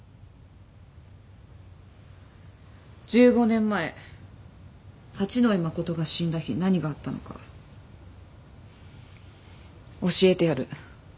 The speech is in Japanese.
１５年前八野衣真が死んだ日何があったのか教えてやる。